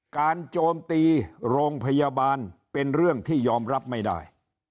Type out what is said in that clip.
โจมตีโรงพยาบาลเป็นเรื่องที่ยอมรับไม่ได้